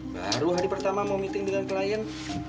baru hari pertama mau meeting dengan klien